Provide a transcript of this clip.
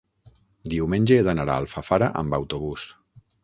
Diumenge he d'anar a Alfafara amb autobús.